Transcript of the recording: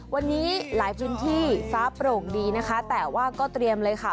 วันนี้หลายพื้นที่ฟ้าโปร่งดีนะคะแต่ว่าก็เตรียมเลยค่ะ